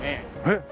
えっ！